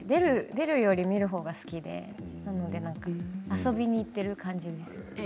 出るより見るのが好きなので遊びに行っている感じですね。